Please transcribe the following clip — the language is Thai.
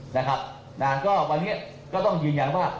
นะฮะก็วันนี้ก็ต้องยืนยันว่า